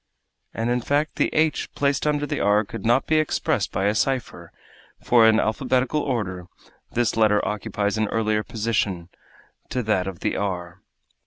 And in fact the h placed under the r could not be expressed by a cipher, for, in alphabetical order, this letter occupies an earlier position to that of the _r.